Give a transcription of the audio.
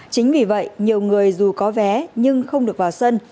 chính vì vậy nhiều người dù có vé nhưng không được vào sân